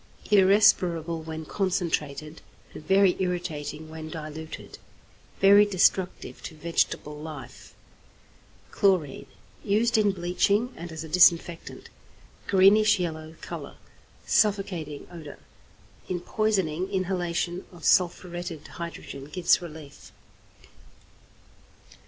= Irrespirable when concentrated, and very irritating when diluted. Very destructive to vegetable life. =Chlorine.= Used in bleaching, and as a disinfectant. Greenish yellow colour, suffocating odour. In poisoning, inhalation of sulphuretted hydrogen gives relief.